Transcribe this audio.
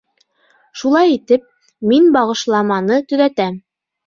Шулай итеп, мин бағышламаны төҙәтәм: